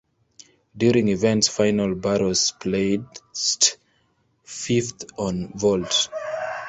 During event finals Barros placed fifth on vault.